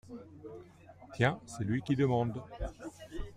Tiens, c’est lui, qui demande…